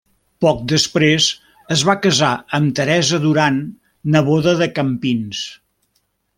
Poc després es va casar amb Teresa Duran, neboda de Campins.